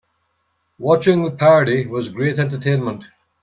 Watching the parody was great entertainment.